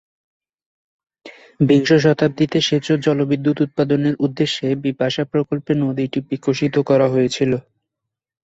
বিংশ শতাব্দীতে, সেচ ও জলবিদ্যুৎ উৎপাদনের উদ্দেশ্যে বিপাশা প্রকল্পে নদীটি বিকশিত করা হয়েছিল।